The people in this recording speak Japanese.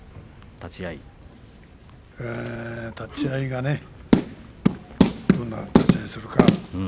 立ち合いがねどんな立ち合いをするのか。